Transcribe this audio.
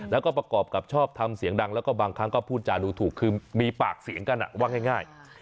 แล้วก็ประกอบกับชอบทำเสียงดังแล้วก็บางครั้งก็พูดจาดูถูกคือมีปากเสียงกันว่าง่าย